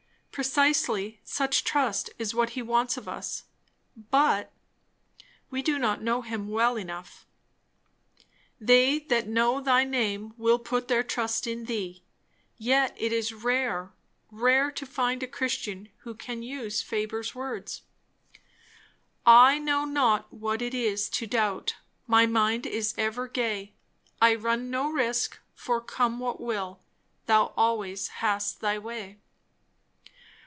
Precisely such trust is what he wants of us; but we do not know him well enough! "They that know thy name will put their trust in thee." Yet it is rare, rare, to find a Christian who can use Faber's words "I know not what it is to doubt; My mind is ever gay; I run no risk, for come what will, Thou always hast thy way."